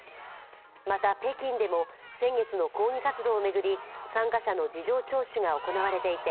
また、北京でも先月の抗議活動を巡り参加者の事情聴取が行われていて。